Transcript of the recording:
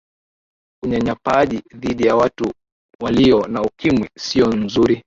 unyanyapaaji dhidi ya watu waliyo na ukimwi siyo mzuri